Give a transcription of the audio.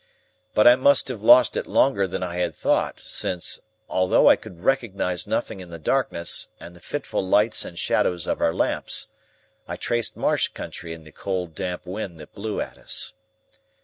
But I must have lost it longer than I had thought, since, although I could recognise nothing in the darkness and the fitful lights and shadows of our lamps, I traced marsh country in the cold damp wind that blew at us.